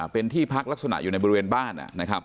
เป็นที่พักลักษณะอยู่ในบริเวณบ้าน